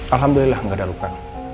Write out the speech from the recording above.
alhamdulillah nggak ada luka